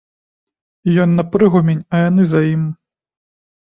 Ён на прыгумень, а яны за ім.